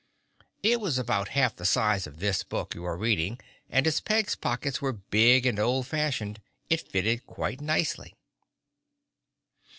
It was about half the size of this book you are reading and as Peg's pockets were big and old fashioned, it fitted quite nicely.